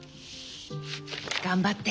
頑張って！